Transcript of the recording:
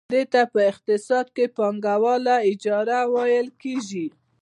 دې ته په اقتصاد کې پانګواله اجاره ویل کېږي